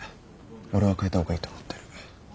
俺は替えた方がいいと思ってる。